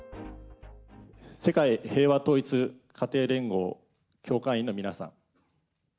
世界平和統一家庭連合協会員の皆さん。